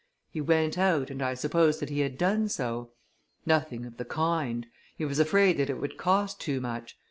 He went out, and I supposed that he had done so. Nothing of the kind. He was afraid that it would cost too much.